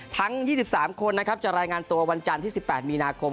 ทั้งยี่สิบสามคนนะครับจะรายงานตัววันจันทร์ที่สิบแปดมีนาคม